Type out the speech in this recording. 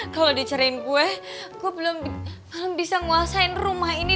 kalau dicerin gue gue belum bisa nguasain rumah ini